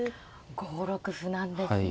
５六歩なんですね。